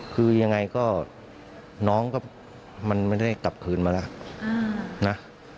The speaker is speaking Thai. คือยังไงก็น้องก็มันไม่ได้กลับคืนมาแล้วนะ